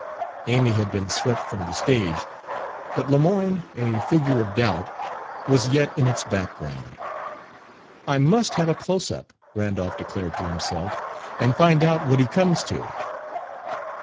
Amy had been swept from the stage; but Lemoyne, a figure of doubt, was yet in its background. "I must have a 'close up'," Randolph declared to himself, "and find out what he comes to."